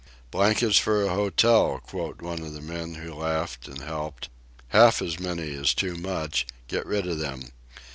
"Blankets for a hotel" quoth one of the men who laughed and helped. "Half as many is too much; get rid of them.